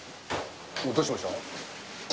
どうしました？